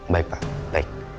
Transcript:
baik pak baik